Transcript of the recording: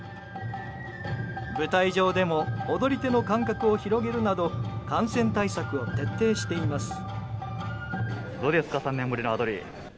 舞台上でも踊り手の間隔を広げるなど感染対策を徹底しています。